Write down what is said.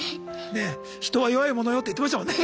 ねっ「人は弱いものよ」って言ってましたもんね。